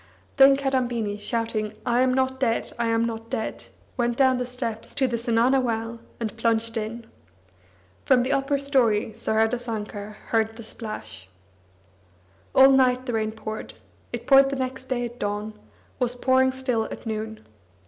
Then Kadambini, shouting "I am not dead, I am not dead," went down the steps to the zenana well, and plunged in. From the upper storey Saradasankar heard the splash. All night the rain poured; it poured next day at dawn, was pouring still at noon.